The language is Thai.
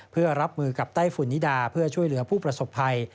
เพื่อรับมือกับไต้ฝุ่นนิดาเพื่อช่วยเหลือผู้ประสบภัย